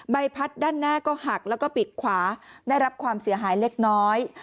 ใบพัดด้านหน้าก็หักแล้วก็ปีกขวาได้รับความเสียหายเล็กน้อย